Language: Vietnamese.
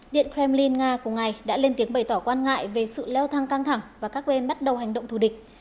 điện kremlin nga cùng ngày đã lên tiếng bày tỏ quan ngại về sự leo thang căng thẳng và các bên bắt đầu hành động thù địch